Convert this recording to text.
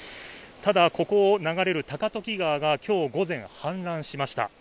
ただ、ここを流れる高時川が今日午前、氾濫しました。